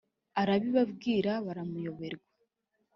arabibwira baramuyoberwa